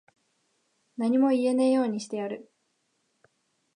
何も言えねぇようにしてやる。